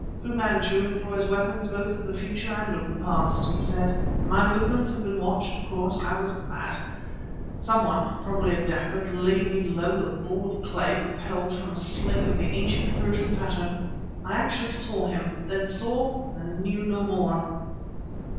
"Fu Manchu employs weapons both of the future and of the past," he said. "My movements had been watched, of course; I was mad. Some one, probably a dacoit, laid me low with a ball of clay propelled form a sling of the Ancient Persian pattern! I actually saw him ... then saw, and knew, no more!